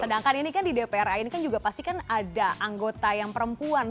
sedangkan ini kan di dpra ini kan juga pasti kan ada anggota yang perempuan